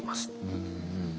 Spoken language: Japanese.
うん。